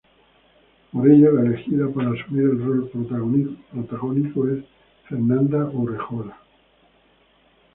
Por ello, la elegida para asumir el rol protagónico es Fernanda Urrejola.